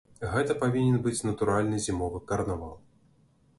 Гэта павінен быць натуральны зімовы карнавал.